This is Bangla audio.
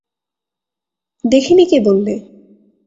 দেখি নি কে বললে?